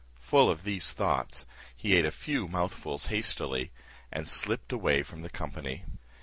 Full of these thoughts, he ate a few mouthfuls hastily, and slipped away from the company.